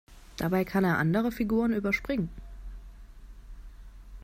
Dabei kann er andere Figuren überspringen.